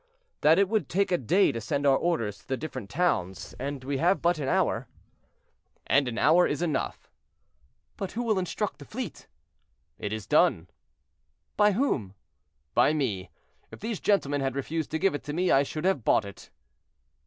"That it would take a day to send our orders to the different towns, and we have but an hour." "And an hour is enough." "But who will instruct the fleet?" "It is done." "By whom?" "By me. If these gentlemen had refused to give it to me, I should have bought it."